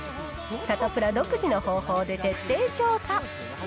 サタプラ独自の方法で徹底調査。